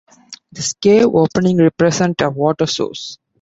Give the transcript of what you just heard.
This cave opening represents a water source.